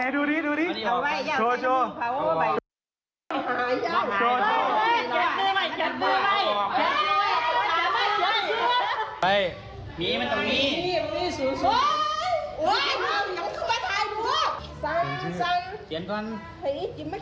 ดูดิเอาไว้ยาวแทนมือเขา